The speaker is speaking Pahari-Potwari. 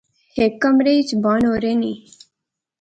ہک کمرے اچ بانو رہنی